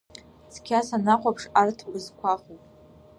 Цқьа санахәаԥш арҭ бызқәахуп.